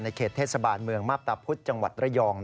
เขตเทศบาลเมืองมาพตาพุธจังหวัดระยอง